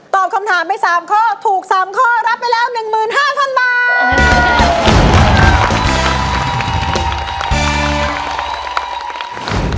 ตอบคำถามไป๓ข้อถูก๓ข้อรับไปแล้ว๑๕๐๐๐บาท